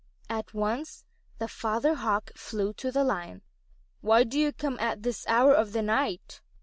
At once the Father Hawk flew to the Lion. "Why do you come at this hour of the night?"